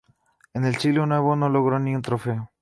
En el siglo nuevo no logró ni un trofeo.